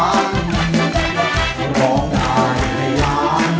ร้องได้ไงล่ะ